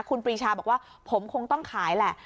คุณปรีชาบอกว่าผมคงต้องขายแหละ